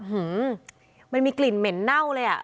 หือมันมีกลิ่นเหม็นเน่าเลยอ่ะ